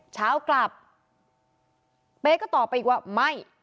เช้ากลับเป๊ก็ตอบไปอีกว่าไม่